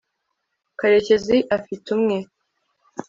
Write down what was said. karekezi afite umwe